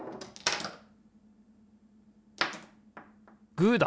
グーだ！